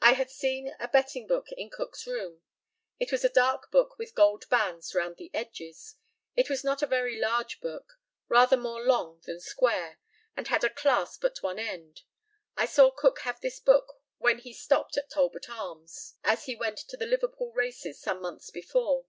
I had seen a betting book in Cook's room. It was a dark book, with gold bands round the edges. It was not a very large book, rather more long than square, and had a clasp at one end. I saw Cook have this book when he stopped at Talbot Arms, as he went to the Liverpool races, some months before.